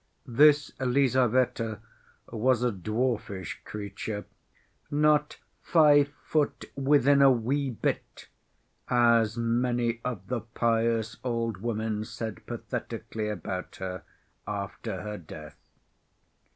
This Lizaveta was a dwarfish creature, "not five foot within a wee bit," as many of the pious old women said pathetically about her, after her death.